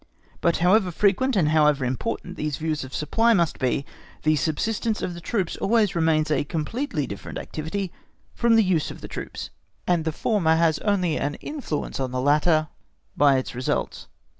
But however frequent and however important these views of supply may be, the subsistence of the troops always remains a completely different activity from the use of the troops, and the former has only an influence on the latter by its results.